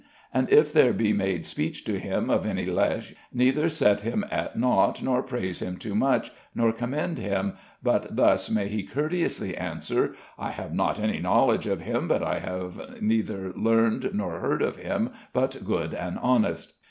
And if there be made speech to him of any leche, neither set him at nought, nor praise him too much, nor commend him, but thus may he courteously answer: 'I have not any knowledge of him, but I have neither learned nor heard of him but good and honest.